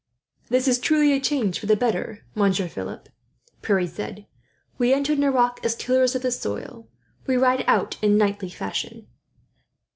"This is truly a change for the better, Monsieur Philip," Pierre said. "We entered Nerac as tillers of the soil, we ride out in knightly fashion."